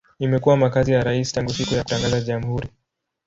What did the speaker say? Imekuwa makazi ya rais tangu siku ya kutangaza jamhuri.